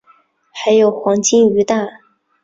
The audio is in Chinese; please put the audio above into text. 还有黄金鱼蛋